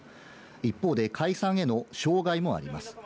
一方で解散への障害もあります。